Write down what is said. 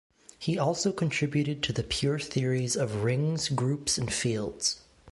He also contributed to the pure theories of rings, groups and fields.